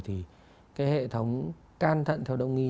thì cái hệ thống can thận theo đông y